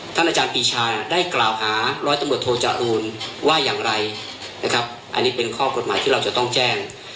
อาจารย์ปีชาได้กล่าวหาร้อยตำรวจโทจรูลว่าอย่างไรนะครับอันนี้เป็นข้อกฎหมายที่เราจะต้องแจ้ง